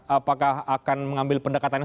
apakah akan mengambil pendekatan